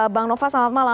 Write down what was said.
bang nova selamat malam